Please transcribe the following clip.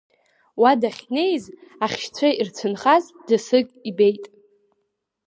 Уа дахьнеиз ахьшьцәа ирцәынхаз ӡысык ибеит.